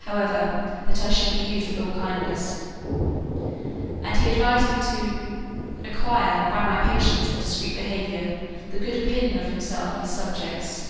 However, that I should be used with all kindness. And he advised me to "acquire, by my patience and discreet behaviour, the good opinion of himself and his subjects."